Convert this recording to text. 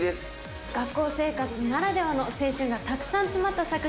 学校生活ならではの青春がたくさん詰まった作品です。